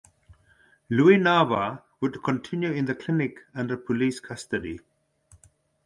Luis Nava would continue in the clinic under police custody.